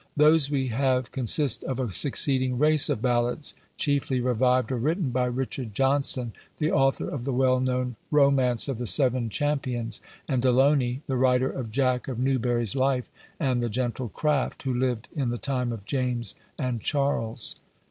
Those we have consist of a succeeding race of ballads, chiefly revived or written by Richard Johnson, the author of the well known romance of the Seven Champions, and Delony, the writer of Jack of Newbury's Life, and the "Gentle Craft," who lived in the time of James and Charles.